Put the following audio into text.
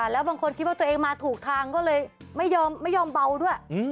แล้วบางคนคิดว่าตัวเองมาถูกทางก็เลยไม่ยอมเบาด้วย